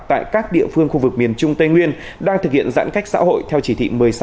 tại các địa phương khu vực miền trung tây nguyên đang thực hiện giãn cách xã hội theo chỉ thị một mươi sáu